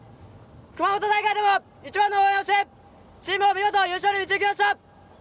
熊本大会では、一番の応援をしてチームを見事、優勝に導きました。